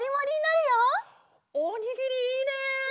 おにぎりいいね！